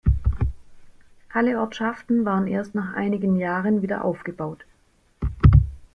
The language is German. Alle Ortschaften waren erst nach einigen Jahren wieder aufgebaut.